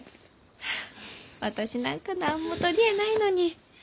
はあ私なんか何も取り柄ないのに。